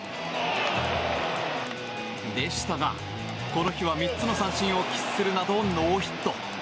でしたが、この日は３つの三振を喫するなどノーヒット。